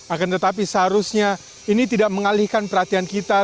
akan tetapi seharusnya ini tidak mengalihkan perhatian kita